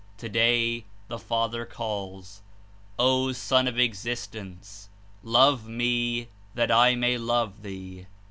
Today the Father calls : ''O Son of Existence! Love Me that I may love thee.